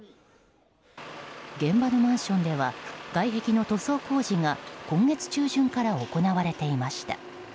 現場のマンションでは外壁の塗装工事が今月中旬から行われてました。